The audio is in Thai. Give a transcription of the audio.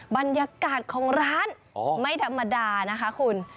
บรรยากาศของร้านไม่ธรรมดานะคะคุณ